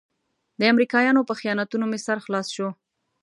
د امریکایانو په خیانتونو مې سر خلاص شو.